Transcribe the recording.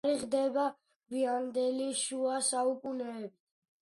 თარიღდება გვიანდელი შუა საუკუნეებით.